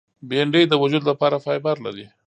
بېنډۍ د وجود لپاره فایبر لري